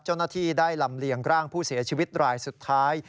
เจ้าหน้าที่ได้ลำเลียงร่างผู้เสียชีวิตรายสุดท้าย